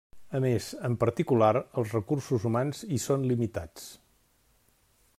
A més, en particular els recursos humans hi són limitats.